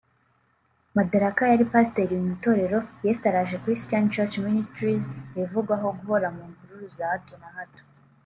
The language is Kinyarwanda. Madaraka yari pasiteri mu itorero ‘Yesu araje Christian church Ministries’ rivugwaho guhora mvururu za hato na hato